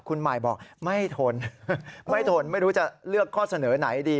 คุณหมายบอกไม่ทนไม่ทนไม่รู้จะเลือกข้อเสนอไหนดี